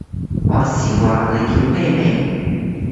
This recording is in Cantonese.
話時話，你叫咩名？